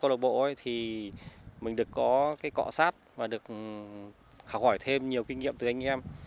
thế còn sau khi tham gia câu lạc bộ thì mình được có cái cọ sát và được học hỏi thêm nhiều kinh nghiệm từ anh em